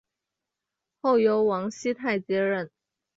后由王熙泰接任。